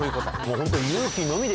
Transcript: ホント。